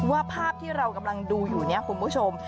ว่าภาพที่เรากำลังดูอยู่เนี่ยคุณผู้ชม